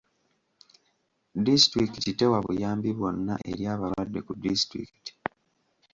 Disitulikiti tewa buyambi bwonna eri abalwadde ku disitulikiti.